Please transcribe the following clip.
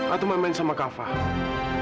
atau main main sama kak fadil